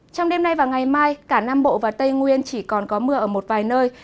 trong đêm nay và ngày mai cả nam bộ và tây nguyên chỉ còn có mưa ở một vài nơi